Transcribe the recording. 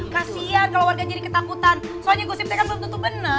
kasian kalo warga jadi ketakutan soalnya gosipnya kan belum tentu bener